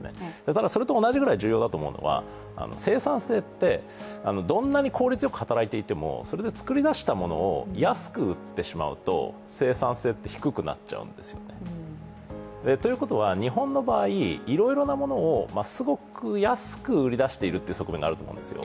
ただ、それと同じぐらい重要だと思うのは生産性ってどれだけ効率よく働いててもそれで作り出したものを安く売ってしまうと生産性って低くなっちゃうんですよね。ということな日本の場合、いろいろなものをすごく安く売り出しているっていう側面があると思うんですよ。